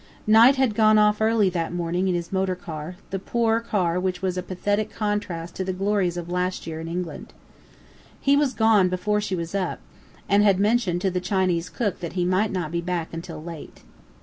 Knight had gone off early that morning in his motor car, the poor car which was a pathetic contrast to the glories of last year in England. He had gone before she was up, and had mentioned to the Chinese cook that he might not be back until late.